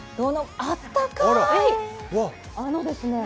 あったかい。